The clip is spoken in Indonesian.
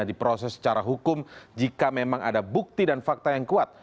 diproses secara hukum jika memang ada bukti dan fakta yang kuat